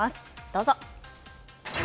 どうぞ。